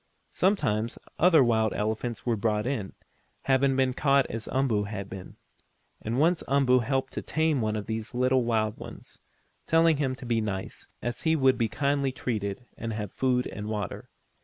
Sometimes other wild elephants were brought in, having been caught as Umboo had been. And once Umboo helped to tame one of these little wild ones, telling him to be nice, as he would be kindly treated and have food and water.